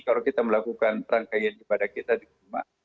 kalau kita melakukan rangkaian kepada kita di rumah